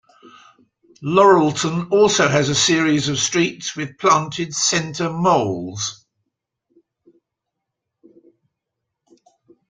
Laurelton also has a series of streets with planted center malls.